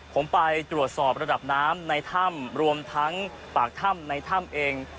ผมไปตรวจสอบระดับน้ำในถ้ำรวมทั้งปากถ้ำในถ้ำเอง